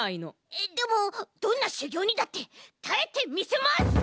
えっでもどんなしゅぎょうにだってたえてみせます！